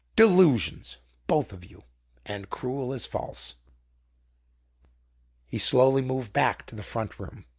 "Delusions, both of you, and cruel as false!" He slowly moved back to the front room.